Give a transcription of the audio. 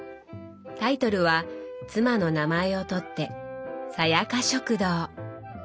タイトルは妻の名前を取って「明佳食堂」！